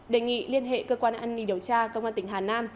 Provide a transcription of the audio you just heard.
đề nghị liên hệ cơ quan an ninh điều tra công an tỉnh hà nam